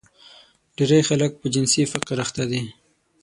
ډېری خلک په جنسي فقر اخته دي.